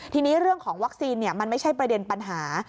ทีนี้เรื่องของวัคซีนมันไม่ใช่ประเด็นปัญหา